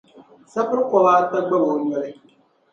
sapir’ kɔba ata gbab’ o noli.